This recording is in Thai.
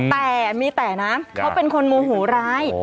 แต่มีแต่นะเขาเป็นคนโมโหร้าย